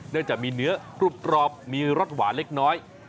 เนื่องจากมีเนื้อครูบตรอบมีรสหวานเล็กน้อย